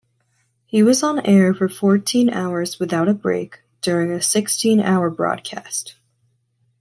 He was on air for fourteen hours without a break, during a sixteen-hour broadcast.